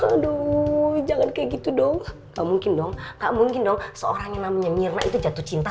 aduhh jangan kayak gitu dong nggak mungkin dong seorang namanya mir itu jatuh cinta